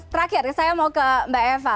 terakhir saya mau ke mbak eva